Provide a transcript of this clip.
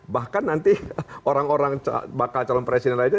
bahkan nanti orang orang bakal calon presiden lainnya